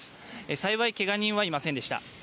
幸い、けが人はいませんでした。